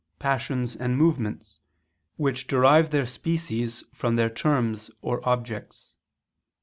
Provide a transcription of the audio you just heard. passions and movements, which derive their species from their terms or objects.